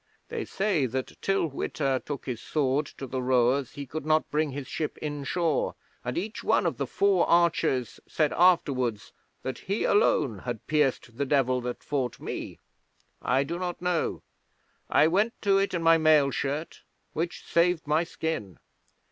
They say that till Witta took his sword to the rowers he could not bring his ship inshore; and each one of the four archers said afterwards that he alone had pierced the Devil that fought me. I do not know. I went to it in my mail shirt, which saved my skin.